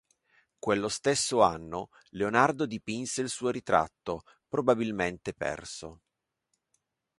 Quello stesso anno, Leonardo dipinse il suo ritratto, probabilmente perso.